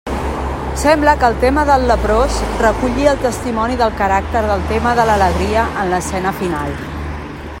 Sembla que el tema del leprós reculli el testimoni del caràcter del tema de l'alegria en l'escena final.